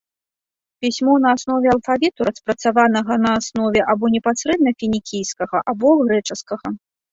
Пісьмо на аснове алфавіту, распрацаванага на аснове або непасрэдна фінікійскага, або грэчаскага.